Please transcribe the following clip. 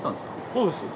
そうです。